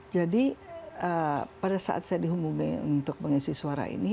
jadi pada saat saya dihubungi untuk mengisi suara ini